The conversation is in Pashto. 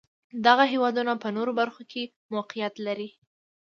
دغه هېوادونه په نورو برخو کې موقعیت لري.